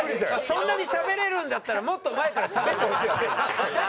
そんなにしゃべれるんだったらもっと前からしゃべってほしいわ。